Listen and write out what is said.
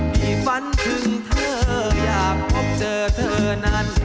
ฝันถึงเธออยากพบเจอเธอนั้น